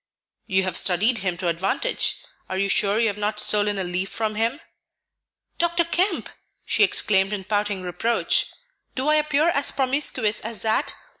"You have studied him to advantage. Are you sure you have not stolen a leaf from him?" "Dr. Kemp!" she exclaimed in pouting reproach, "do I appear as promiscuous as that?